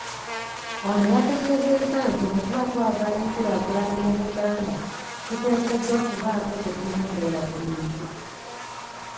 Ono yategeezezza nti bwetuba twagala enkulaakulana mu Buganda tuteekeddwa okubaako kye tulondoola ku muntu.